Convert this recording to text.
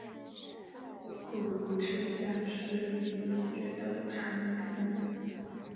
古乳齿象是已灭绝的长鼻目。